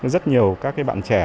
rất nhiều các cái bạn trẻ